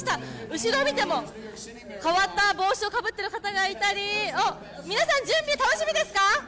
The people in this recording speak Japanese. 後ろを見ても、変わった帽子をかぶっている方がいたり皆さん、準備、楽しみですか？